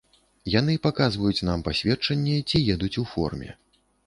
Яны паказваюць нам пасведчанне ці едуць у форме.